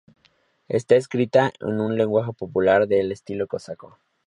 Está escrita en un lenguaje popular al estilo cosaco.